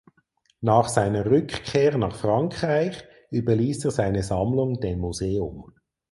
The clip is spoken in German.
Nach seiner Rückkehr nach Frankreich überließ er seine Sammlung dem Museum.